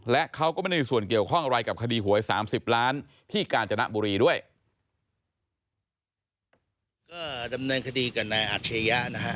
และเขาก็ไม่ได้มีส่วนเกี่ยวข้องอะไรกับคดีหวยสามสิบล้านที่กาญจนบุรีด้วย